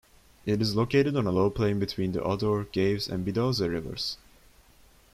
It is located on a low plain between the Adour, Gaves, and Bidouze rivers.